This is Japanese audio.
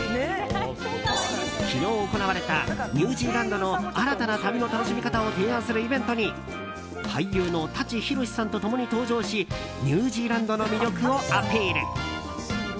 昨日、行われたニュージーランドの新たな旅の楽しみ方を提案するイベントに俳優の舘ひろしさんと共に登場しニュージーランドの魅力をアピール。